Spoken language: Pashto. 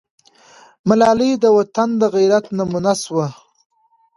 ملالۍ د وطن د غیرت نمونه سوه.